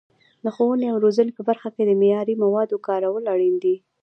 د ښوونې او روزنې په برخه کې د معیاري موادو کارول اړین دي.